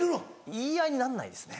言い合いになんないですね。